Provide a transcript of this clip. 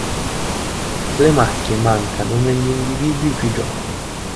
Le macchie mancano negli individui più giovani.